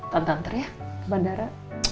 tante anter ya ke bandara